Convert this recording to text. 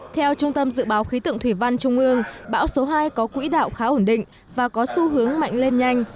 theo trung tâm dự báo khí tượng thủy văn trung ương bão số hai có quỹ đạo khá ổn định và có xu hướng mạnh lên nhanh